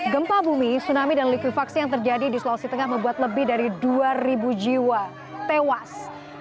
gempa bumi tsunami dan likuifaksi yang terjadi di sulawesi tengah membuat lebih dari dua jiwa tewas